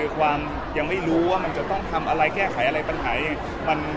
ความยังไม่รู้ว่ามันจะต้องทำอะไรแก้ไขอะไรปัญหายังไง